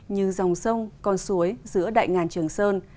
như dòng sông con suối giữa đại ngàn trường sơn